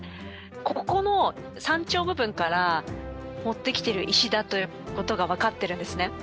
ここの山頂部分から持ってきてる石だという事がわかってるんですね。